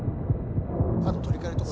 「カード取り換えるとこ」